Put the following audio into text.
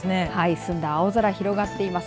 澄んだ青空が広がってます。